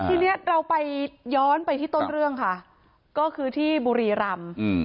ทีนี้เราไปย้อนไปที่ต้นเรื่องค่ะก็คือที่บุรีรำ